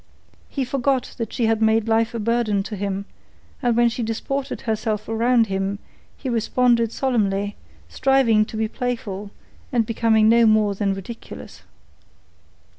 He forgot that she had made life a burden to him, and when she disported herself around him he responded solemnly, striving to be playful and becoming no more than ridiculous.